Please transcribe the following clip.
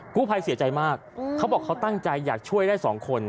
กู้ภัยเสียใจมากเขาบอกเขาตั้งใจอยากช่วยได้สองคน